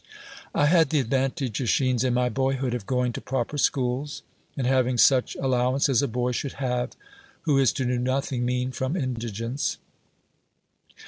I had the advantage, ^schines, in my boyhood of going to proper schools, and having such al lowance as a boy should have who is to do noth ing mean from indigence.